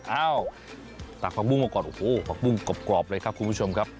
อ้าวตักผักบุ้งมาก่อนโอ้โหผักบุ้งกรอบเลยครับคุณผู้ชมครับ